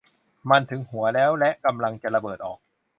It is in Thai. มันถึงหัวแล้วและกำลังจะระเบิดออก !